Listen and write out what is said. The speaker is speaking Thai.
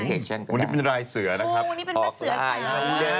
วันนี้เป็นไลน์เสือนะครับ